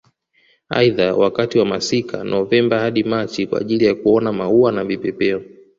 Aidha wakati wa masika Novemba hadi Machi kwa ajili ya kuona maua na vipepeo